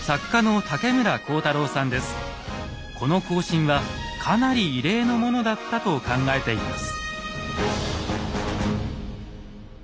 この行進はかなり異例のものだったと考えています。